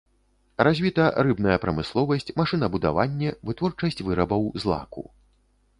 Развіта рыбная прамысловасць, машынабудаванне, вытворчасць вырабаў з лаку.